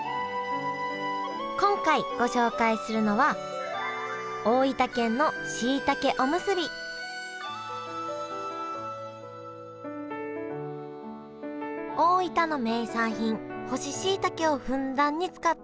今回ご紹介するのは大分の名産品干ししいたけをふんだんに使ったおむすび。